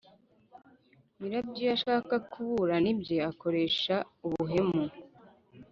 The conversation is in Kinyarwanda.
nyirabyo, iyo ashaka kuburana ibye, akoresha ubuhemu.